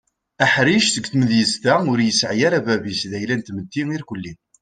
Aḥric seg tmedyaz-a ur yesɛi ara bab-is d ayla n tmetti irkeli.